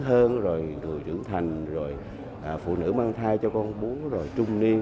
hơn rồi người trưởng thành rồi phụ nữ mang thai cho con bún rồi trung niên